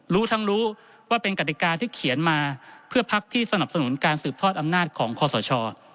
รู้ทั้งรู้ว่าเป็นกฎิกาที่เขียนมาเพื่อพักที่สนับสนุนการสืบทอดอำนาจของคอสช